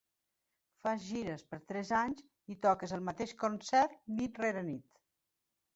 Fas gires per tres anys i toques el mateix concert nit rere nit.